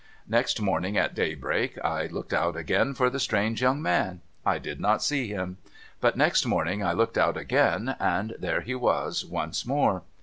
Next morning, at daybreak, I looked out again for the strange young man. I did not see him. But next morning I looked out again, and there he was once more.